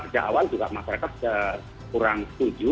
sejak awal juga masyarakat kurang setuju